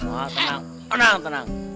oh tenang tenang tenang